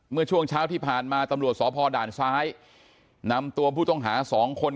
เมื่อช่วงเช้าที่ผ่านมาตำรวจสพด่านซ้ายนำตัวผู้ต้องหาสองคน